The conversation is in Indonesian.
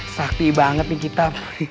sakti banget nih kita